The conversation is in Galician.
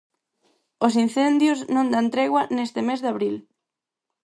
Os incendios non dan tregua neste mes de abril.